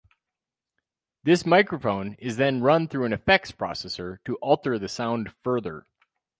This microphone is then run through an effects processor to alter the sound further.